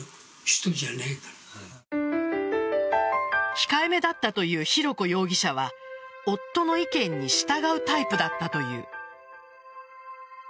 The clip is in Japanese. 控えめだったという浩子容疑者は夫の意見に従うタイプだったという。